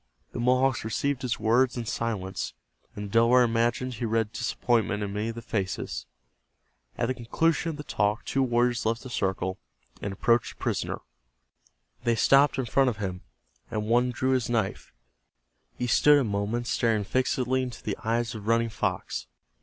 The Mohawks received his words in silence, and the Delaware imagined he read disappointment in many of the faces. At the conclusion of the talk two warriors left the circle, and approached the prisoner. They stopped in front of him, and one drew his knife. He stood a moment staring fixedly into the eyes of Running Fox.